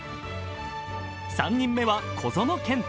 ３人目は小園健太。